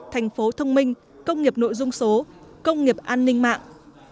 thành phố thông minh công nghiệp nội dung số công nghiệp an ninh mạng